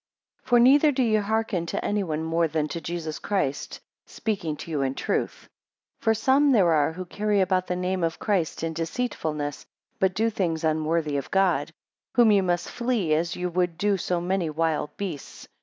For neither do ye hearken to anyone more than to Jesus Christ speaking to you in truth. 6 For some there are who carry about the name of Christ in deceitfulness, but do things unworthy of God; whom ye must flee, as ye would do so many wild beasts.